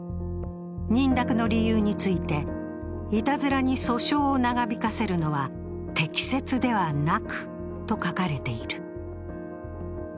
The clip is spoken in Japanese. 認諾の理由について、いたずらに訴訟を長引かせるのは適切ではなく、と書かれている。